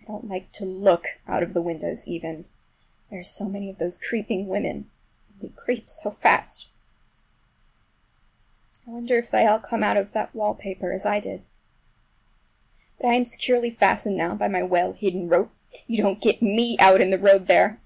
I don't like to look out of the windows even—there are so many of those creeping women, and they creep so fast. I wonder if they all come out of that wallpaper as I did? But I am securely fastened now by my well hidden rope—you don't get me out in the road there!